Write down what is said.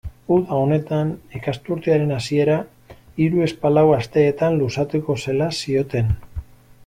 Uda honetan ikasturtearen hasiera hiruzpalau asteetan luzatuko zela zioten.